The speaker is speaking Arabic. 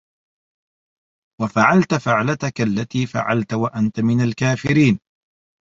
وَفَعَلتَ فَعلَتَكَ الَّتي فَعَلتَ وَأَنتَ مِنَ الكافِرينَ